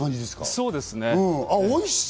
そうですね。